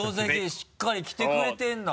しっかり着てくれてるんだ。